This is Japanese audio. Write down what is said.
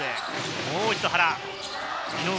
もう一度、原。